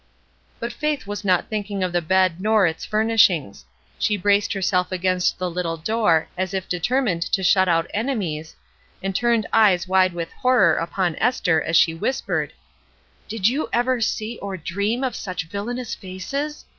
But Faith was not thinking of the bed nor its furnishings. She braced herself against the little door as if determined to shut out enemies, and turned eyes wide with horror upon Esther as she whispered: '^Did you ever see or dream of such villanous faces?